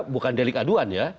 bukan delik aduan ya